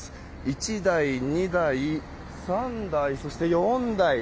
１台、２台、３台そして４台。